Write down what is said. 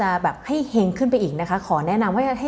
ราศีนึงเรียกได้ว่า